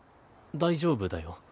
大丈夫だよ。